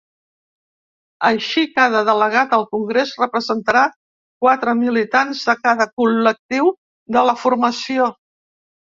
Així, cada delegat al congrés representarà quatre militants de cada col·lectiu de la formació.